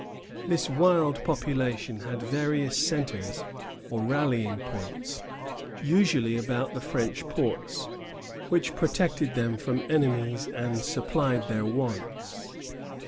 This wild population had various centres or rallying points, usually about the French forts, which protected them from enemies and supplied their wants.